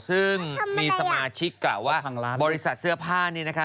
ซึ่งมีสมาชิกกล่าวว่าบริษัทเสื้อผ้านี่นะคะ